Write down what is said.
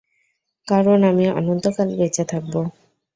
কারণ, আমি অনন্তকাল বেঁচে থাকব!